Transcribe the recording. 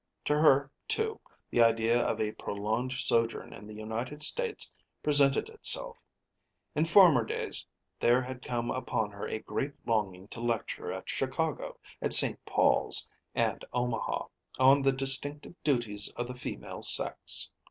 To her, too, the idea of a prolonged sojourn in the United States presented itself. In former days there had come upon her a great longing to lecture at Chicago, at Saint Paul's, and Omaha, on the distinctive duties of the female sex.